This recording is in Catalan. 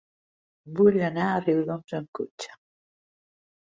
Vull anar a Riudoms amb cotxe.